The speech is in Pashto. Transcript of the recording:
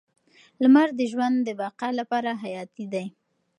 لمر د ژوند د بقا لپاره حیاتي دی.